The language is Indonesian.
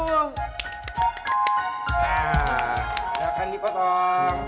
ini akan dipotong